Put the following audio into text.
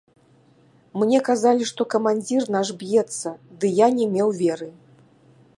Мне казалі, што камандзір наш б'ецца, ды я не меў веры.